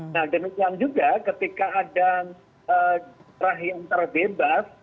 nah demikian juga ketika ada daerah yang terbebas